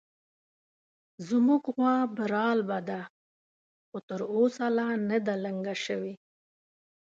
زموږ غوا برالبه ده، خو تر اوسه لا نه ده لنګه شوې